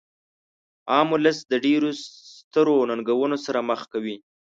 عام ولس د ډیرو سترو ننګونو سره مخ کوي.